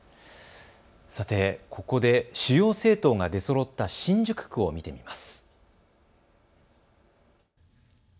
さて、ここで主要政党が出そろった新宿区を見てみます。